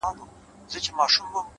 • ولي هره ورځ اخته یو په غمونو,